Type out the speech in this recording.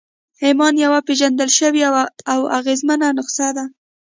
ایمان یوه پېژندل شوې او اغېزمنه نسخه ده